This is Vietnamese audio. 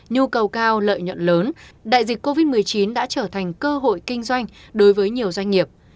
nhu cầu cao lợi nhuận lớn đại dịch covid một mươi chín đã trở thành cơ hội kinh doanh đối với nhiều doanh nghiệp